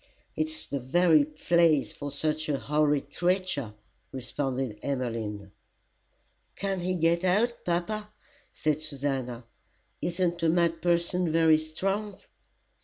"It's the very place for such a horrid creature," responded Emmeline. "Can't he get out, papa?" said Susannah. "Isn't a mad person very strong?"